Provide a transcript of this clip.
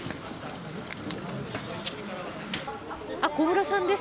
あっ、小室さんです。